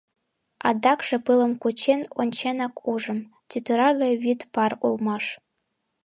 Адакше пылым кучен онченак ужым, тӱтыра гай вӱд пар улмаш.